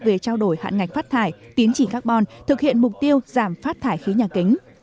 về trao đổi hạn ngạch phát thải tiến trị carbon thực hiện mục tiêu giảm phát thải khí nhà kính